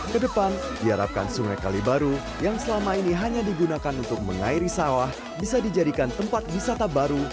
kedepan diharapkan sungai kalibaru yang selama ini hanya digunakan untuk mengairi sawah bisa dijadikan tempat wisata baru